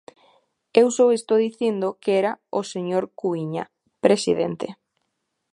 Eu só estou dicindo que era o señor Cuíña, presidente.